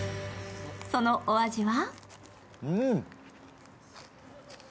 そのお味は？